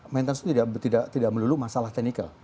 maintenance itu tidak melulu masalah teknikal